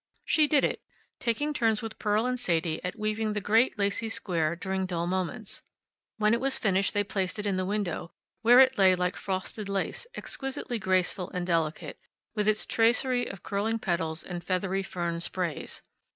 She did it, taking turns with Pearl and Sadie at weaving the great, lacy square during dull moments. When it was finished they placed it in the window, where it lay like frosted lace, exquisitely graceful and delicate, with its tracery of curling petals and feathery fern sprays.